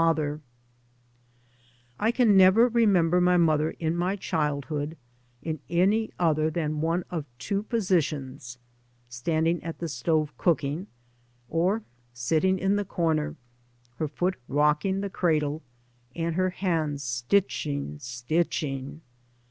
3 by Google MY MOTHER AND I I can never remember my mother in my childhood in any other than one of two positions, standing at the stove cooking, or sitting in the corner; her foot rocking the cradle, and her hands stitching, stitching.